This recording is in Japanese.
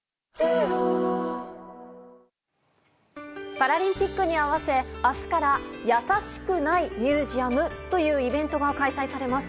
パラリンピックに合わせ明日から「やさしくないミュージアム」というイベントが開催されます。